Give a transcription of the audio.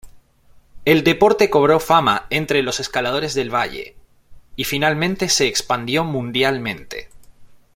El deporte cobró fama entre los escaladores del valle, y finalmente se expandió mundialmente.